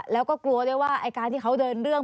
แล้วก็กลัวด้วยว่าไอ้การที่เขาเดินเรื่อง